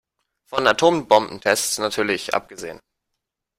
Von Atombombentests natürlich abgesehen.